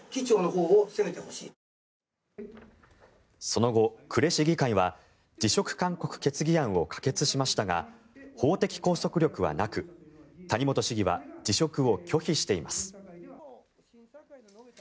その後、呉市議会は辞職勧告決議案を可決しましたが法的拘束力はなく、谷本市議は辞職を拒否しています。